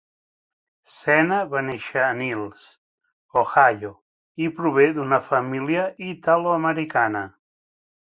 Sena va néixer a Niles, Ohio i prové d'una família Italoamericana.